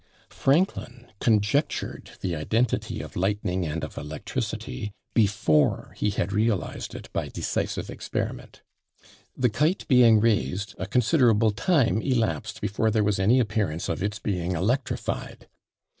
Franklin conjectured the identity of lightning and of electricity, before he had realised it by decisive experiment. The kite being raised, a considerable time elapsed before there was any appearance of its being electrified.